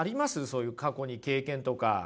そういう過去に経験とか。